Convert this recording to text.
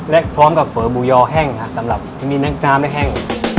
และพร้อมกับเฝอบูยอแห้งค่ะสำหรับที่มีน้้ำจ้ำได้แห้ง